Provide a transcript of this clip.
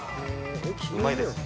うまいですね。